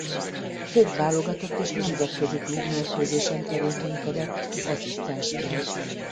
Több válogatott és nemzetközi klubmérkőzésen tevékenykedett asszisztensként.